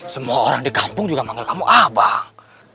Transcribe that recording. semua orang di kampung juga manggil kamu abang